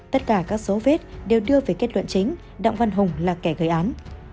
tất cả các số vết đều đưa về kết luận chính đặng văn hùng là kẻ gây án